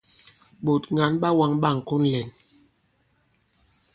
Ɓòt ŋgǎn ɓa wāŋ ɓâŋkon lɛ̂n.